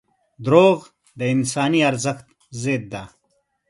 • دروغ د انساني ارزښت ضد دي.